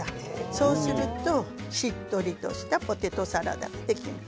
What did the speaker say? そうすると、しっとりとポテトサラダができます。